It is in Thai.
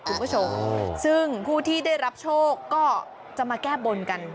คุณผู้ชมซึ่งผู้ที่ได้รับโชคก็จะมาแก้บนกัน